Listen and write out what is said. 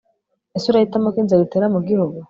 ese urahitamo ko inzara itera mu gihugu